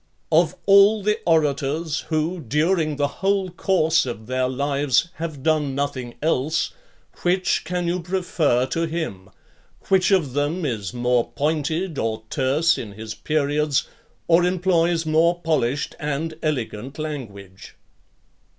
Of all the orators, who, during the whole course of their lives, have done nothing else, which can you prefer to him? Which of them is more pointed or terse in his periods, or employs more polished and elegant language?"